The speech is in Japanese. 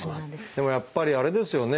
でもやっぱりあれですよね